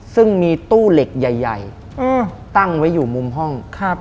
ซึ่งมีตู้เหล็กใหญ่ตั้งไว้อยู่มุมห้อง